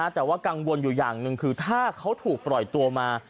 แต่ว่ากังวลอยู่อย่างหนึ่งคือถ้าเขาถูกปล่อยตัวมา